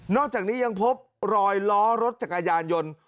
อกจากนี้ยังพบรอยล้อรถจักรยานยนต์